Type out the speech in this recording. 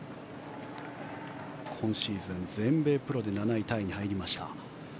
今シーズン、全米プロで７位タイに入りました。